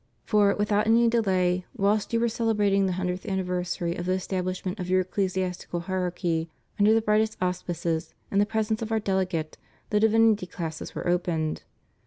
For, without any delay, whilst you were celebrating the hundredth anniversary of the establishment of your ecclesiastical hierarchy, under the brightest auspices, in the presence of Our delegate, the di^'/inity classes were opened.